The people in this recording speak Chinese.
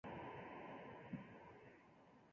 央街在多伦多有着重要的影响。